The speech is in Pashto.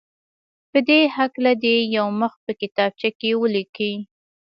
په دې هکله دې یو مخ په کتابچه کې ولیکي.